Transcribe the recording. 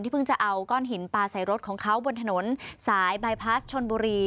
เพิ่งจะเอาก้อนหินปลาใส่รถของเขาบนถนนสายบายพลาสชนบุรี